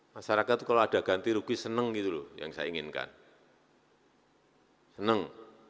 masyarakat itu kalau ada ganti rugi senang gitu loh yang saya inginkan senang